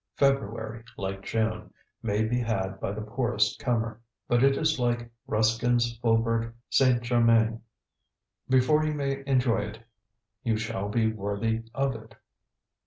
February, like June, may be had by the poorest comer. But it is like Ruskin's Faubourg St. Germain. Before you may enjoy it you shall be worthy of it.